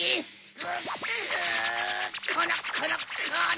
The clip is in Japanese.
くこのこのこの！